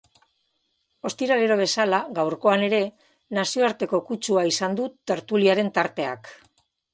Ostiralero bezala, gaurkoan ere nazioarteko kutsua izan du tertuliaren tarteak.